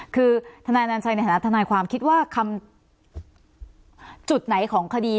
คือทนายนันชัยในฐานะทนายความคิดว่าคำจุดไหนของคดี